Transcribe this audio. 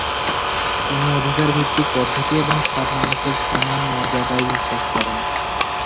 তিনি অধিকার ভিত্তিক পদ্ধতি এবং সব মানুষের সমান মর্যাদায় বিশ্বাস করেন।